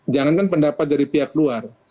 jangankan pendapat dari pihak luar